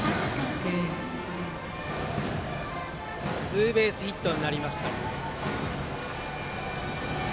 ツーベースヒットになりました。